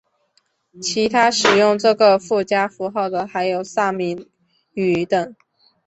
其他使用这个附加符号的还有萨米语等。